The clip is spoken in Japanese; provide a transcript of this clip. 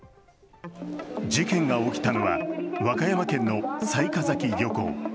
事件が起きたのは和歌山県の雑賀崎漁港。